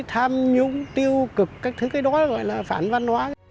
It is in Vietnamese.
tham nhũng tiêu cực các thứ cái đó gọi là phản văn hóa